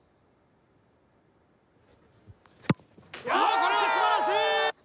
これは素晴らしい！